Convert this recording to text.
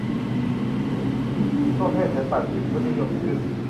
ก็แค่ฉันปัดจุดทศนิยมขึ้น